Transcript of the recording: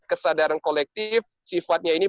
kesadaran kolektif sifatnya ini